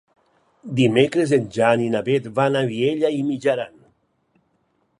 Dimecres en Jan i na Beth van a Vielha e Mijaran.